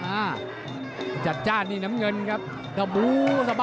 อ่าจัดจ้านนี่น้ำเงินครับ